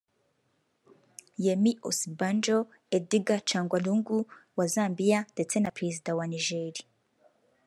Yemi Osinbajo; Edgar Chagwa Lungu wa Zambia ndetse na Perezida wa Niger